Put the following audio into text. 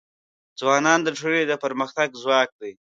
ځوانان د ټولنې د پرمختګ ځواک دی.